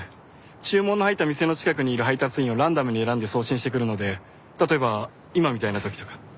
注文の入った店の近くにいる配達員をランダムに選んで送信してくるので例えば今みたいな時とか。